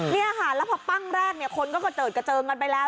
นี่ค่ะแล้วพอปั้งแรกเนี่ยคนก็กระเจิดกระเจิงกันไปแล้ว